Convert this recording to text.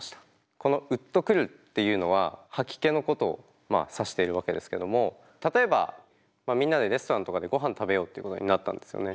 このウッとくるっていうのは吐き気のことをまあ指しているわけですけども例えばみんなでレストランとかでごはん食べようっていうことになったんですよね。